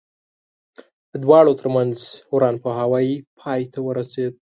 د دواړو ترمنځ ورانپوهاوی پای ته ورسېد.